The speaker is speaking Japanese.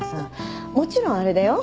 もちろんあれだよ。